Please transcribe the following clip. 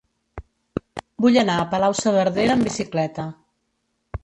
Vull anar a Palau-saverdera amb bicicleta.